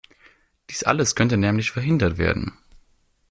Dies alles könnte nämlich verhindert werden.